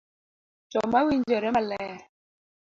to mawinjore maler.